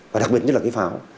và đặc biệt nhất là pháo